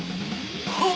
はあ！？